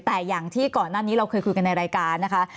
แต่อย่างที่ก่อนหน้านี้เราเคยคุยกันในรายการนะคะ